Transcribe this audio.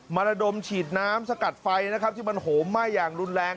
ระดมฉีดน้ำสกัดไฟนะครับที่มันโหมไหม้อย่างรุนแรง